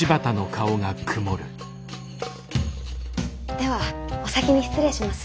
ではお先に失礼します。